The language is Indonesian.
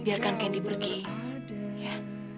biarkan candy pergi ya